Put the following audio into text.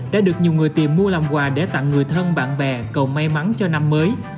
đã được nhiều người tìm mua làm quà để tặng người thân bạn bè cầu may mắn cho năm mới